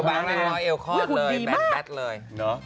แบตเลย